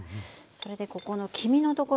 それでここの黄身のところに。